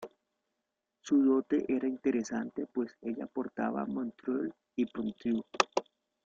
Su dote era interesante pues ella aportaba Montreuil y Ponthieu.